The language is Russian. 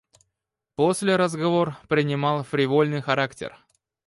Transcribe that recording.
После разговор принимал фривольный характер.